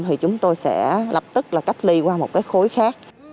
thì chúng tôi sẽ lập tức là cách ly qua một cái khối khác